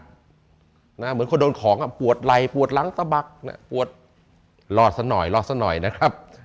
เหมือนคนโดนของปวดไหล่ปวดหลังสะบักปวดลอดสักหน่อยนะครับ